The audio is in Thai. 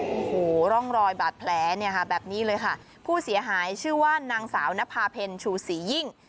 โอ้โหร่องรอยบาดแผลเนี่ยค่ะแบบนี้เลยค่ะผู้เสียหายชื่อว่านางสาวนภาเพ็ญชูศรียิ่ง